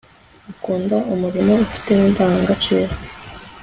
ukunda umurimo ufite n'indangagaciro